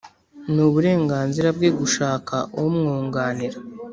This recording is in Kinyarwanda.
n’uburenganzira bwe gushaka umwunganira